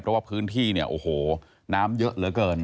เพราะว่าพื้นที่เนี่ยโอ้โหน้ำเยอะเหลือเกิน